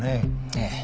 ええ。